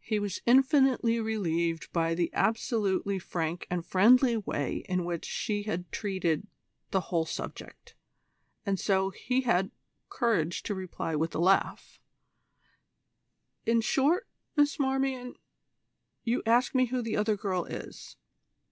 He was infinitely relieved by the absolutely frank and friendly way in which she had treated the whole subject, and so he had courage to reply with a laugh: "In short, Miss Marmion, you ask me who the other girl is.